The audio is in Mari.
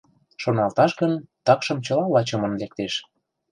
— Шоналташ гын, такшым чыла лачымын лектеш.